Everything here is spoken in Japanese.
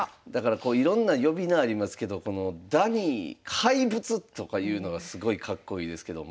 いろんな呼び名ありますけどこの「ダニー」「怪物」とかいうのがすごいかっこいいですけども。